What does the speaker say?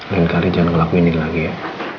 lain kali jangan ngelakuin ini lagi ya